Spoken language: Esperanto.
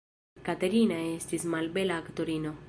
Katerina estis malbela aktorino.